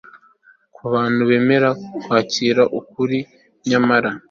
ku bantu bemera kwakira ukuri nyamara